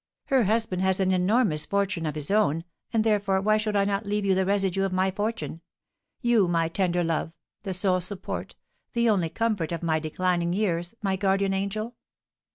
Her husband has an enormous fortune of his own; and, therefore, why should I not leave you the residue of my fortune, you, my tender love, the sole support, the only comfort of my declining years, my guardian angel?'